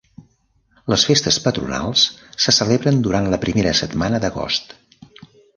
Les festes patronals se celebren durant la primera setmana d'agost.